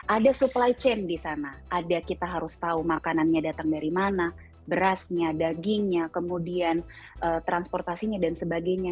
ada supply chain di sana ada kita harus tahu makanannya datang dari mana berasnya dagingnya kemudian transportasinya dan sebagainya